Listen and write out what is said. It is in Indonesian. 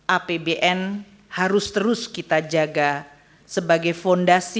api bn harus terus kita jaga sebagai fonis